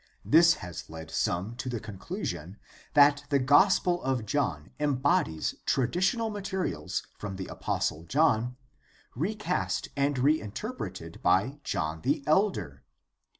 This has led some to the conclusion that the Gospel of John embodies traditional materials from the apostle John recast and inter preted by John the Elder.